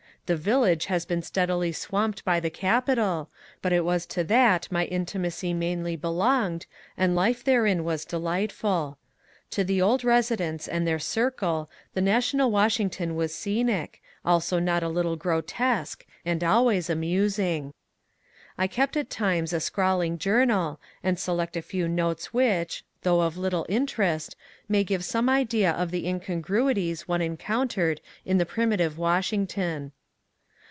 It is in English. The village has been steadily swamped by the capital, but it was to that my intimacy mainly belonged, and life therein was delightful. To the old residents and their circle the national Washington was scenic, also not a little grotesque, and always amusing. I kept at times a scrawling journal, and select a few notes which, though of little interest, may give some idea of the incongruities one encountered in the primitive Washington.